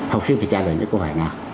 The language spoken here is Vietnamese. học sinh phải trả lời những câu hỏi nào